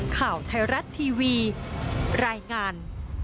ข่าวไทยรัฐทีวีรายงาน